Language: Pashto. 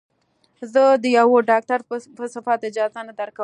زه د يوه ډاکتر په صفت اجازه نه درکم.